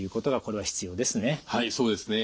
はいそうですね。